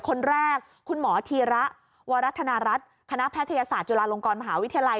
คนแรกคุณหมอธีระวรัฐนารัฐคณะแพทยศาสตร์จุฬาลงกรมหาวิทยาลัย